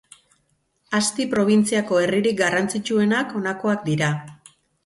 Asti probintziako herririk garrantzitsuenak honakoak dira.